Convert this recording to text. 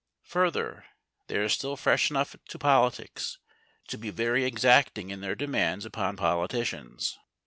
Further, they are still fresh enough to politics to be very exacting in their demands upon politicians.